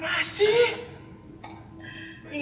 kita di antara kita